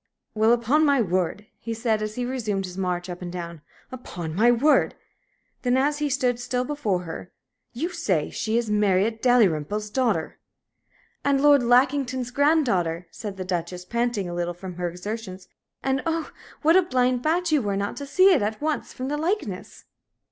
"Well, upon my word," he said, as he resumed his march up and down "upon my word!" Then, as he stood still before her, "You say she is Marriott Dalrymple's daughter?" "And Lord Lackington's granddaughter." said the Duchess, panting a little from her exertions. "And, oh, what a blind bat you were not to see it at once from the likeness!"